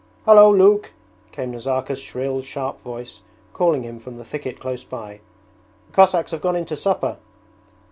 'Hallo, Luke!' came Nazarka's shrill, sharp voice calling him from the thicket close by. 'The Cossacks have gone in to supper.'